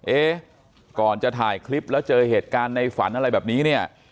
เอ๊ะก่อนจะถ่ายคลิปแล้วเจอเหตุการณ์ในฝันอะไรแบบนี้เนี่ย